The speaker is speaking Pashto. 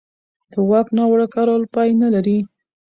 د واک ناوړه کارول پای نه لري